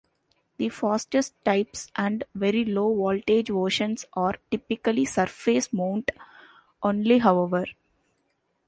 The fastest types and very low voltage versions are typically surface-mount only, however.